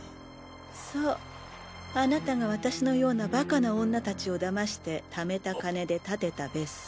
そうあなたが私のようなバカな女達をだまして貯めた金で建てた別荘。